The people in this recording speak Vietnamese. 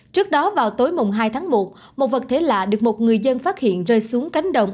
trước đó vào tối hai tháng một một vật thể lạ được một người dân phát hiện rơi xuống cánh đồng